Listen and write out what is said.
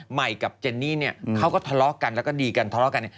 ใหม่กับเจนนี่เนี่ยเขาก็ทะเลาะกันแล้วก็ดีกันทะเลาะกันเนี่ย